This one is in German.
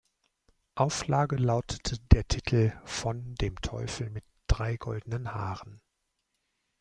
Auflage lautete der Titel "Von dem Teufel mit drei goldenen Haaren".